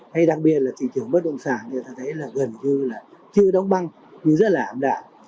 hay đặc biệt là thị trường bất động sản người ta thấy là gần như là chưa đóng băng nhưng rất là ảm đạm